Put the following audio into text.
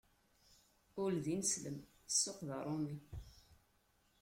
Ul d ineslem, ssuq d aṛumi.